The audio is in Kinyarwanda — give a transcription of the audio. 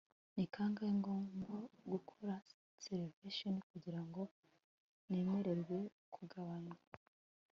ni kangahe ngomba gukora reservation kugirango nemererwe kugabanywa